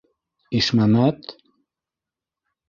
Ишмәмәт?!